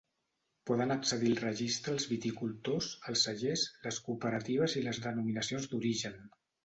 Poden accedir al Registre els viticultors, els cellers, les cooperatives i les denominacions d'origen.